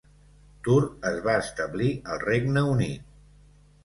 Tur es va establir al Regne Unit.